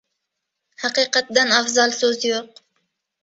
• Haqiqatdan afzal so‘z yo‘q.